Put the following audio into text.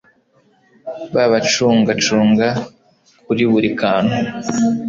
babacungacunga kuri buri kantu,